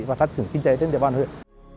và phát triển kinh tế trên địa phương huyện